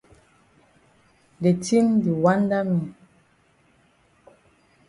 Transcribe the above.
De tin di wanda me.